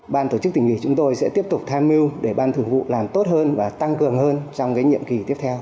ban tổ chức tỉnh ủy chúng tôi sẽ tiếp tục tham mưu để ban thường vụ làm tốt hơn và tăng cường hơn trong nhiệm kỳ tiếp theo